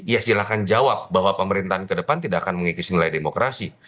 ya silahkan jawab bahwa pemerintahan ke depan tidak akan mengikis nilai demokrasi